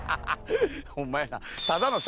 ホンマやな。